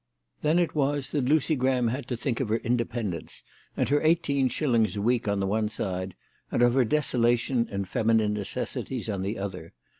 Then it was that Lucy Graham had to think of her independence and her eighteen shillings a week on the one side, and of her desolation and feminine necessities on the other.